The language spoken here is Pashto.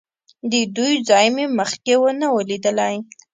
د دوی ځای مې مخکې نه و لیدلی.